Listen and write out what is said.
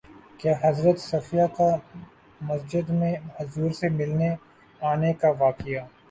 کہ حضرت صفیہ کے مسجد میں حضور سے ملنے آنے کا واقعہ